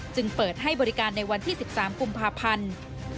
จึงเปิดให้บริการในวันที่๑๓กุมภาพันธ์